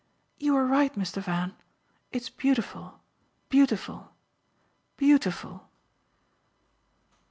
"You were right, Mr. Van. It's beautiful, beautiful, beautiful!"